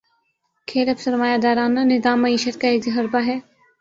کھیل اب سرمایہ دارانہ نظام معیشت کا ایک حربہ ہے۔